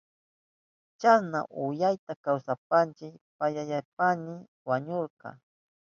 Chasna unayta kawsashpanshi payayashpaña wañurka.